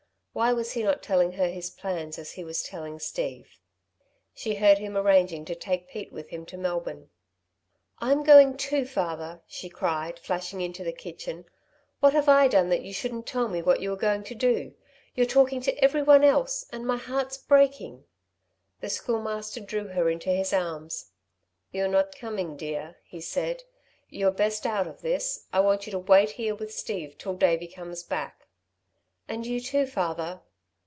Why was he not telling her his plans as he was telling Steve? She heard him arranging to take Pete with him to Melbourne. "I'm going too, father," she cried, flashing into the kitchen. "What have I done that you shouldn't tell me what you are going to do. You're talking to every one else, and my heart's breaking." The Schoolmaster drew her into his arms. "You're not coming, dear," he said. "You're best out of this. I want you to wait here with Steve till Davey comes back." "And you too, father?"